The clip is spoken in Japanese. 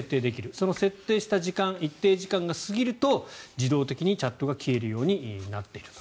その設定した時間一定時間が過ぎると自動的にチャットが消えるようになっていると。